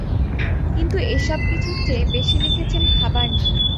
কিন্তু এসবকিছুর চেয়ে বেশি লিখেছেন খাবার নিয়ে।